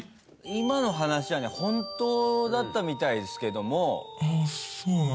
今の話はね本当だったみたいですけども。